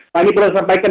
pani perlu sampaikan